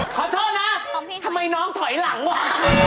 ขอโทษนะทำไมน้องถอยหลังว่ะ